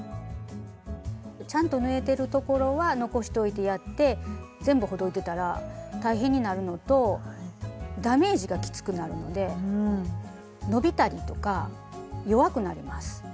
ちゃんと縫えてるところは残しといてやって全部ほどいてたら大変になるのとダメージがきつくなるので伸びたりとか弱くなります。